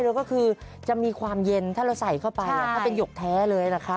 แล้วก็คือจะมีความเย็นถ้าเราใส่เข้าไปถ้าเป็นหยกแท้เลยนะคะ